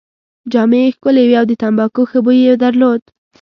جامې يې ښکلې وې او د تمباکو ښه بوی يې درلود.